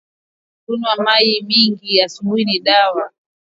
Kunwa mayi mingi asubui ni dawa